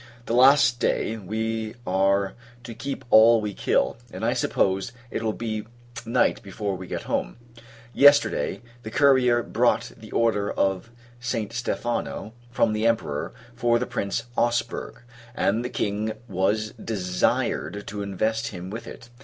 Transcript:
The last day, we are to keep all we kill; and, I suppose, it will be night before we get home. Yesterday, the courier brought the order of St. Stephano, from the Emperor, for the Prince Ausberg, and the King was desired to invest him with it.